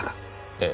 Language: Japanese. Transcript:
ええ。